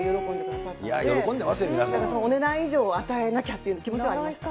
だからお値段以上を与えなきゃという気持ちにはなりました。